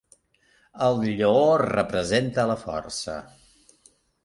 El lleó representa la força.